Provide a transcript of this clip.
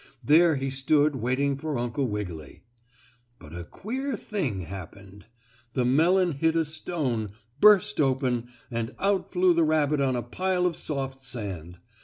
There he stood waiting for Uncle Wiggily. But a queer thing happened. The melon hit a stone, burst open and out flew the rabbit on a pile of soft sand.